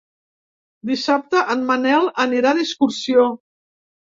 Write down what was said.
Dissabte en Manel anirà d'excursió.